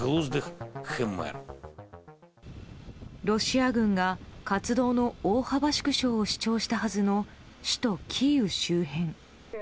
ロシア軍が活動の大幅縮小を主張したはずの首都キーウ周辺。